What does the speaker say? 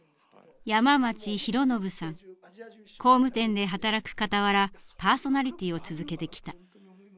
工務店で働く傍らパーソナリティーを続けてきた。